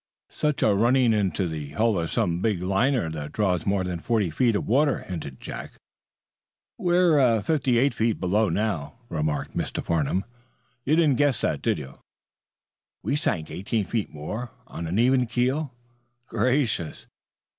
"Such as running into the hull of some big liner that draws more than forty feet of water," hinted Jack. "We're fifty eight feet below, now," remarked Mr. Farnum. "You didn't guess that, did you? We sank eighteen feet more, on an even keel." "Gracious!